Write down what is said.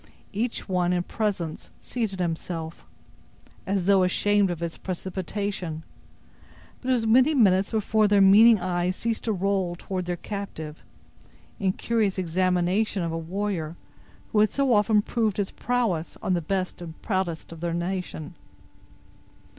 Each one in presence seated himself, as though ashamed of his precipitation; but it was many minutes before their meaning eyes ceased to roll toward their captive, in curious examination of a warrior who had so often proved his prowess on the best and proudest of their nation.